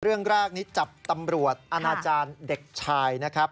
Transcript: เรื่องแรกนี้จับตำรวจอนาจารย์เด็กชายนะครับ